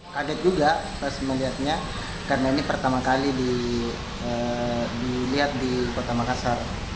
kaget juga pas melihatnya karena ini pertama kali dilihat di kota makassar